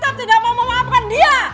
saya tetap tidak mau memaafkan dia